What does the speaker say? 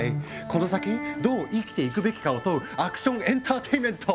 この先どう生きていくべきかを問うアクションエンターテインメント！